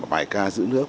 bài ca giữ nước